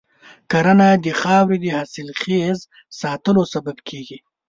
کرنه د خاورې د حاصلخیز ساتلو سبب کېږي.